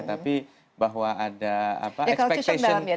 tapi bahwa ada expectation